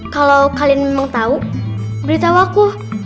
kalau kalian memang tahu beritahu aku